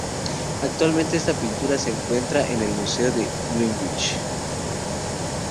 Actualmente, esta pintura se encuentra en el museo de Greenwich.